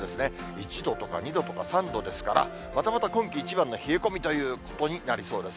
１度とか、２度とか、３度ですから、またまた今季一番の冷え込みということになりそうです。